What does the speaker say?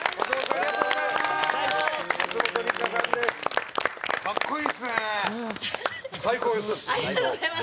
ありがとうございます。